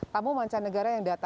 tamu mancanegara yang datangkan